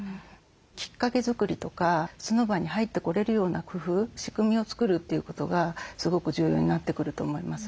きっかけ作りとかその場に入ってこれるような工夫仕組みを作るということがすごく重要になってくると思います。